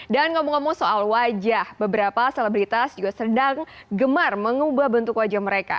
dan ngomong ngomong soal wajah beberapa selebritas juga sedang gemar mengubah bentuk wajah mereka